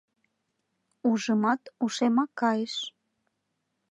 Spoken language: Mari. Ужымат, ушемак кайыш.